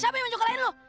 siapa yang mencukupi lu